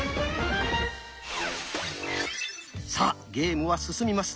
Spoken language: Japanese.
さあゲームは進みます。